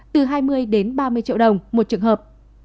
từ hai mươi đến ba mươi triệu đồng một trường hợp